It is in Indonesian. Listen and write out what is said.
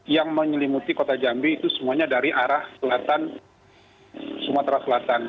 yang menyelimuti kota jambi itu semuanya dari arah selatan sumatera selatan